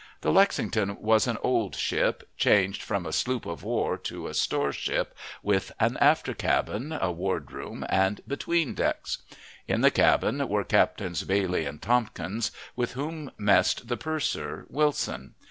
The Lexington was an old ship, changed from a sloop of war to a store ship, with an after cabin, a "ward room," and "between decks." In the cabin were Captains Bailey and Tompkins, with whom messed the purser, Wilson.